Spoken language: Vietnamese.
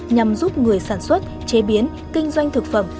nhằm giúp người sản xuất chế biến kinh doanh thực phẩm